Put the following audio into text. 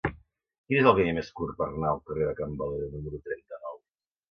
Quin és el camí més curt per anar al carrer de Can Valero número trenta-nou?